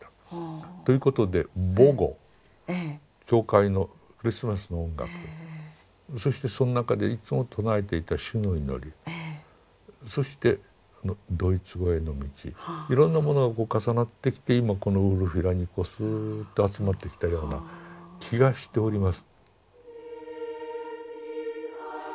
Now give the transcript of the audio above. ということで母語教会のクリスマスの音楽そしてそん中でいつも唱えていた「主の祈り」そしてドイツ語への道いろんなものが重なってきて今このウルフィラにスーッと集まってきたような気がしております。